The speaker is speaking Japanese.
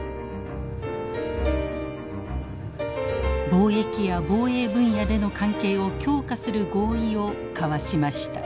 貿易や防衛分野での関係を強化する合意を交わしました。